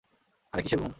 আরে কিসের ঘুম?